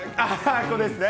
ここですね。